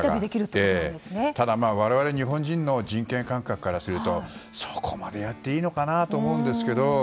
ただ、我々日本人の人権感覚からするとそこまでやっていいのかなと思うんですけど。